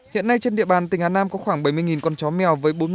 hiện nay trên địa bàn tỉnh hà nam có khoảng bảy mươi con chó mèo